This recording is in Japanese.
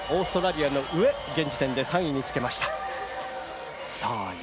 オーストラリアの上、現時点で３位につけました。